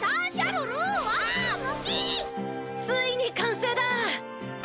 ついに完成だ！